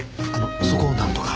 そこをなんとか。